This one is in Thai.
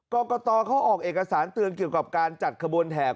กรกตเขาออกเอกสารเตือนเกี่ยวกับการจัดขบวนแหบ